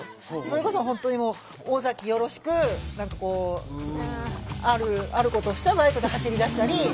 それこそ本当にもう尾崎よろしく何かこうあることをしてはバイクで走りだしたり。